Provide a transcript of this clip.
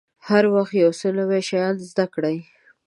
هر وخت یو څه نوي شیان زده کړئ.